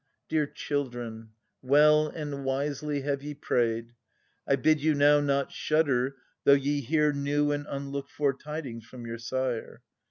Dear children, well and wisely have ye prayed ; I bid you now not shudder, though ye hear New and unlooked for tidings from your sire.